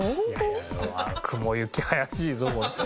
雲行き怪しいぞこれ。